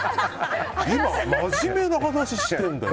今、真面目な話してるんだよ！